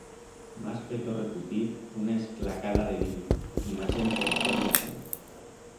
M'has feto recutir una esclacada de vino y m'has emporquiau la saya.